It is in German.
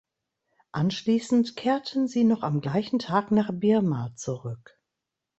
Anschließend kehrten sie noch am gleichen Tag nach Birma zurück.